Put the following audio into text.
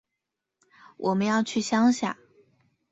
我们要去乡下